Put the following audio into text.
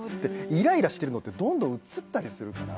イライラしてるのってどんどんうつったりするから。